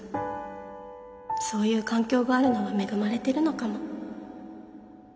そういう環境があるのは恵まれてるのかも。